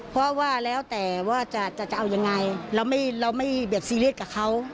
เพราะว่าแล้วแต่ว่าจะเอายังไงเราไม่เบียดซีเรียสกับเขา